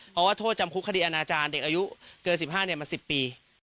เพราะว่าโทษจำคุกคดีอาณาจารย์เด็กอายุเกินสิบห้าเนี่ยมันสิบปี